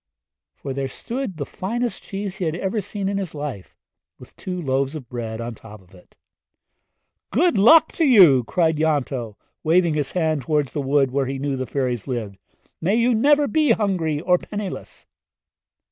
for there stood the finest cheese he had ever seen in his life, with two loaves of bread on top of it. 'Lwc dda i ti!' cried Ianto, waving his hand toward the wood where he knew the fairies lived; 'good luck to you! May you never be hungry or penniless!'